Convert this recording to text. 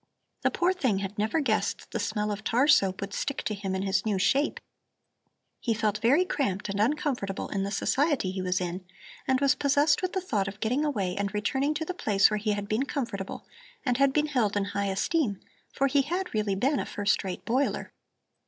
The poor thing had never guessed that the smell of tar soap would stick to him in his new shape. He felt very cramped and uncomfortable in the society he was in, and was possessed with the thought of getting away and returning to the place where he had been comfortable and had been held in high esteem, for he had really been a first rate boiler.